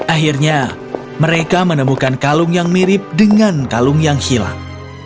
akhirnya mereka menemukan kalung yang mirip dengan kalung yang hilang